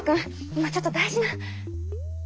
今ちょっと大事な。